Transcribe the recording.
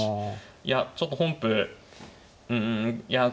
いやちょっと本譜うんいや